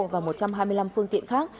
và một trăm hai mươi năm phương tiện khác